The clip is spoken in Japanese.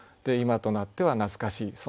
今となっては懐かしい。